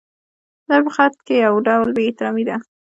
دا په حقیقت کې یو ډول بې احترامي ده.